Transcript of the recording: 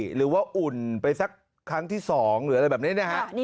หรือว่าอุ่นไปสักครั้งที่๒หรืออะไรแบบนี้นะฮะ